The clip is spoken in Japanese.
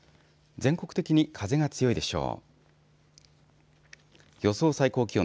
全国的に風が強いでしょう。